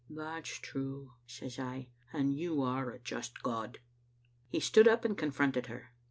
'That's true,' says I, 'and You are a just God. '" He stood up and confronted her.